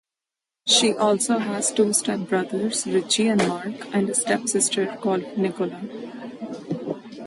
She also has two step-brothers, Ritchie and Mark, and a step-sister called Nicola.